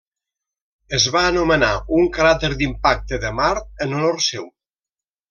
Es va anomenar un cràter d'impacte de Mart en honor seu.